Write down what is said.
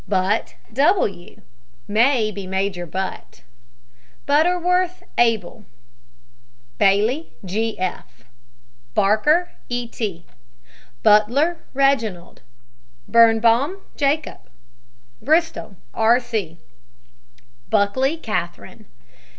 BUTT, W. (may be Major Butt). BUTTERWORTH, ABELJ. BAILEY, G. F. BARKER, E. T. BUTLER, REGINALD. BIRNBAUM, JACOB. BRISTOW, R. C. BUCKLEY, KATHERINE.